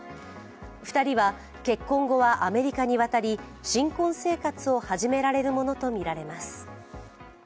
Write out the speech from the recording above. ２人は結婚後はアメリカに渡り、新婚生活を始められるものとみられます。